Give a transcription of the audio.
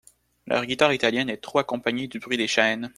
Leur guitare italienne est trop accompagnée du bruit des chaînes !